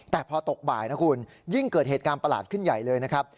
แต่พอตกบ่ายนะคุณยิ่งเกิดเหตุการณ์ประหลาดขึ้นใหญ่เลยนะครับ